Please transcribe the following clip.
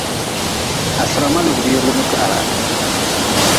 Ha sira ma lugʼbire runi kwiharah.